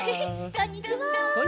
こんにちは！